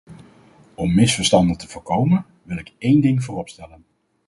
Om misverstanden te voorkomen, wil ik één ding vooropstellen.